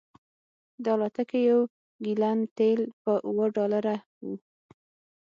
د الوتکې یو ګیلن تیل په اوه ډالره و